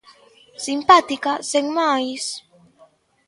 Simpática, sen máis...